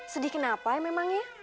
sedih kenapa emangnya